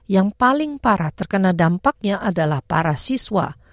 yang paling parah terkena dampaknya adalah para siswa